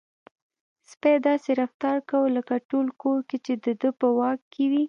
سپی داسې رفتار کاوه لکه ټول کور چې د ده په واک کې وي.